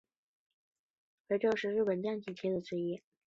飞鹫是日本将棋的棋子之一。